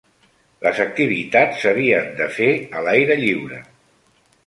Les activitats s'havien de fer a l'aire lliure.